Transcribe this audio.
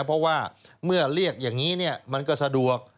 เพราะว่าเมื่อเรียกอย่างนี้มันก็สะดวก